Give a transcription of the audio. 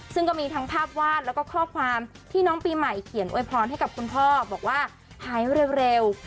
ซึ่งก็มีทั้งภาพวาดแล้วก็ข้อความที่น้องปีใหม่เขียนอวยพรให้กับคุณพ่อบอกว่าหายเร็ว